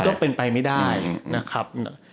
ก็เป็นไปไม่ได้นะครับ